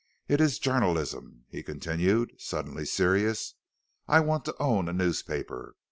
"It is journalism," he continued, suddenly serious; "I want to own a newspaper.